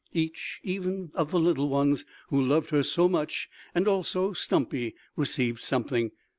Each, even of the little ones who loved her so much and also Stumpy received something.